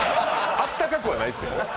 あったかくはないですよ。